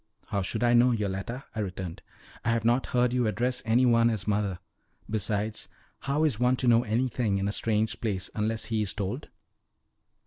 "How should I know, Yoletta?" I returned. "I have not heard you address any one as mother; besides, how is one to know anything in a strange place unless he is told?"